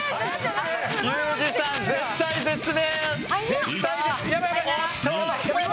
ユージさん、絶体絶命！